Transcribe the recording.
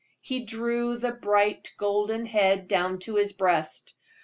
He drew the bright golden head down to his breast.